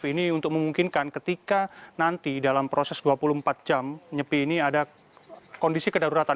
ini untuk memungkinkan ketika nanti dalam proses dua puluh empat jam nyepi ini ada kondisi kedaruratan